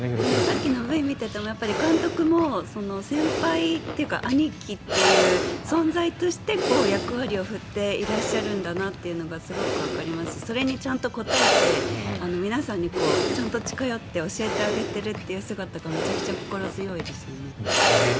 さっきのＶＴＲを見ていても監督も、先輩というか兄貴という存在として役割を振っていらっしゃるんだなというのがすごくわかりますしそれにちゃんと応えて皆さんにちゃんと近寄って教えてあげているという姿がめちゃくちゃ心強いですね。